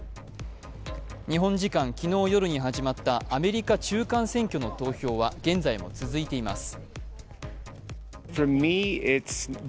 日本時間昨日夜に始まったアメリカ中間選挙の投票は現在も続いています。